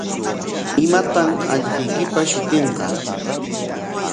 ¿Imam allquykipa shutinqa?